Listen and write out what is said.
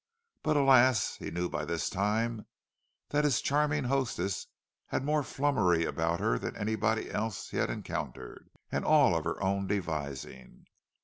But alas, he knew by this time that his charming hostess had more flummery about her than anybody else he had encountered—and all of her own devising!